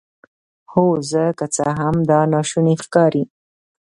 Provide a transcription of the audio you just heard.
هو زه که څه هم دا ناشونی ښکاري